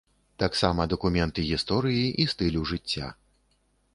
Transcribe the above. Таксама дакумент і гісторыі, і стылю жыцця.